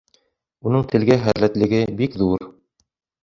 Уның телгә һәләтлеге бик ҙур.